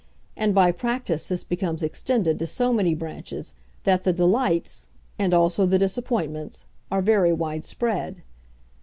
And by practice this becomes extended to so many branches, that the delights, and also the disappointments, are very widespread.